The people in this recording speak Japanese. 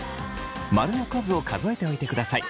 ○の数を数えておいてください。